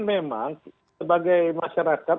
memang sebagai masyarakat